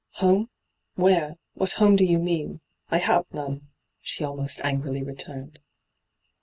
' Home ? Where ? What home do yoa mean ? I have aone,* she almost angrily returned.